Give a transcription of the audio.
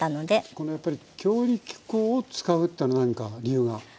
このやっぱり強力粉を使うというのは何か理由があるんですか？